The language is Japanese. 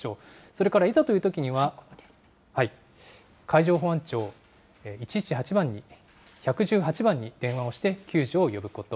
それからいざというときには、海上保安庁１１８番に電話をして、救助を呼ぶこと。